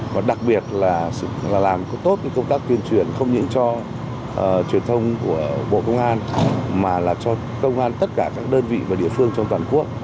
và đặc biệt là làm tốt công tác tuyên truyền không những cho truyền thông của bộ công an mà là cho công an tất cả các đơn vị và địa phương trong toàn quốc